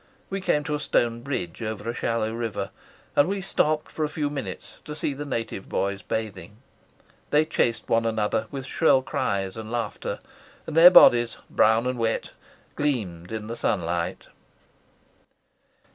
We came to a stone bridge over a shallow river, and we stopped for a few minutes to see the native boys bathing. They chased one another with shrill cries and laughter, and their bodies, brown and wet, gleamed in the sunlight.